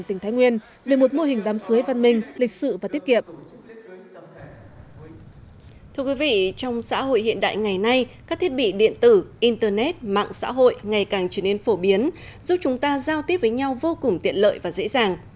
thưa quý vị trong xã hội hiện đại ngày nay các thiết bị điện tử internet mạng xã hội ngày càng trở nên phổ biến giúp chúng ta giao tiếp với nhau vô cùng tiện lợi và dễ dàng